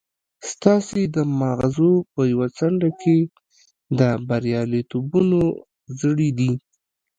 ستاسې د ماغزو په يوه څنډه کې د برياليتوبونو زړي دي.